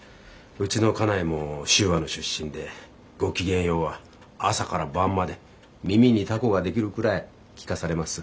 うちの家内も修和の出身で「ごきげんよう」は朝から晩まで耳にタコが出来るくらい聞かされます。